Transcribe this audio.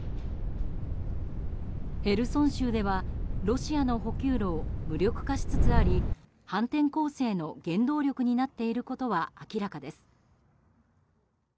ヘルソン州では、ロシアの補給路を無力化しつつあり反転攻勢の原動力になっていることは明らかです。